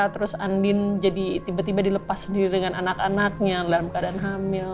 terus andin jadi tiba tiba dilepas sendiri dengan anak anaknya dalam keadaan hamil